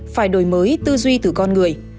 phải đổi mới tư duy từ con người